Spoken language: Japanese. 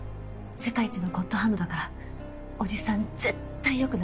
世界一のゴッドハンドだからおじさん絶対良くなる。